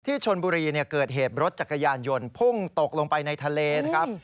ชนบุรีเกิดเหตุรถจักรยานยนต์พุ่งตกลงไปในทะเลนะครับ